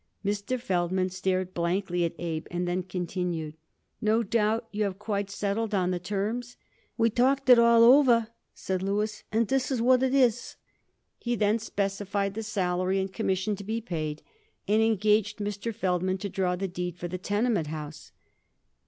Mr. Feldman stared blankly at Abe and then continued: "No doubt you have quite settled on the terms." "We've talked it all over," said Louis, "and this is what it is." He then specified the salary and commission to be paid, and engaged Mr. Feldman to draw the deed for the tenement house.